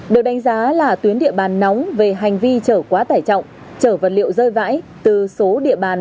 được đánh giá là tuyến địa bàn nóng về hành vi chở quá tải trọng chở vật liệu rơi vãi từ số địa bàn